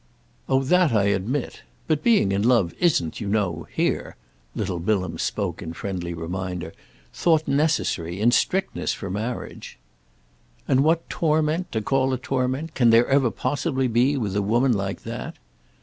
"Oh that I admit. But being in love isn't, you know, here"—little Bilham spoke in friendly reminder—"thought necessary, in strictness, for marriage." "And what torment—to call a torment—can there ever possibly be with a woman like that?"